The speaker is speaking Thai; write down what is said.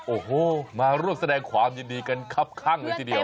โอ้โหมาร่วมแสดงความยินดีกันครับข้างเลยทีเดียว